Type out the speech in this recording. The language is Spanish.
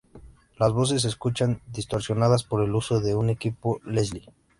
Las voces se escuchan distorsionadas por el uso de un equipo Leslie.